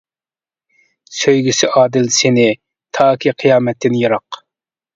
سۆيگۈسى ئادىل سېنى تاكى قىيامەتتىن يىراق.